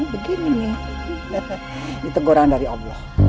begini nih teguran dari allah